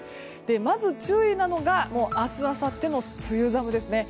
まず注意なのが明日あさっての梅雨寒ですね。